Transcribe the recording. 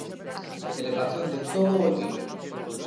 Celebración de todo o equipo.